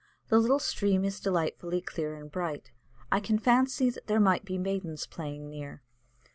The little stream is delightfully clear and bright; I can fancy that there might be maidens playing near.